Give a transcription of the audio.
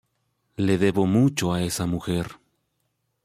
Le debo mucho a esa mujer.